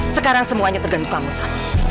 sekarang semuanya tergantung kamu san